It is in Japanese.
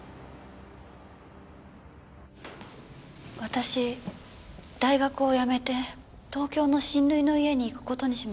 私大学を辞めて東京の親類の家に行く事にしました。